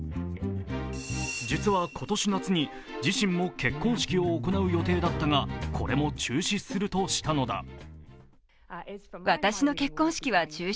実は今年夏に自身も結婚式を行う予定だったがこれも中止するとしたのだ。